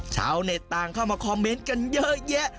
ชาวเน็ตต่างเข้ามาคอมเมนต์กันเยอะแยะ